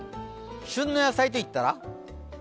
旬の野菜といったら？